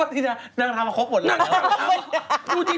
ไม่ใช่ที่นางนางทำมาครบขนเดิม